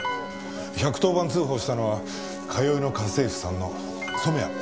１１０番通報したのは通いの家政婦さんの染谷正子さんです。